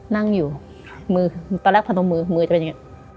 นั่งอยู่มือตอนแรกพนมมือมือมือจะเป็นอย่างนี้